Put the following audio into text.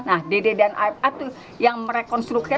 nah dede dan aip itu yang merekonstruksi